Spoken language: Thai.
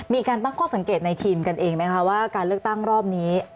มีการตั้งข้อสังเกตในทีมกันเองไหมคะว่าการเลือกตั้งรอบนี้